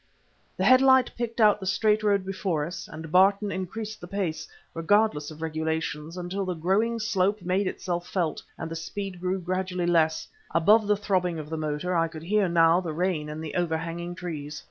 The head light picked out the straight road before us, and Barton increased the pace, regardless of regulations, until the growing slope made itself felt and the speed grew gradually less; above the throbbing of the motor, I could hear, now, the rain in the overhanging trees.